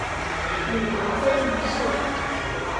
母德妃俞氏。